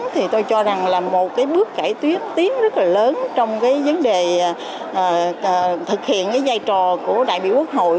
thì tôi cho rằng là một cái bước cải tiến tiến rất là lớn trong cái vấn đề thực hiện cái giai trò của đại biểu quốc hội